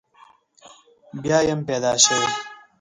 بیا یم پیدا شوی.